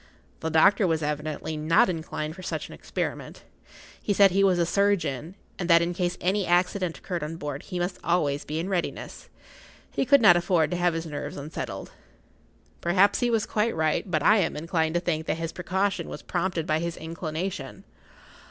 The doctor was evidently not inclined for such an experiment. He said he was a surgeon, and that in case any accident occurred on board he must always be in readiness. He could not afford to have his nerves unsettled. Perhaps he was quite right, but I am inclined to think that his precaution was prompted by his inclination.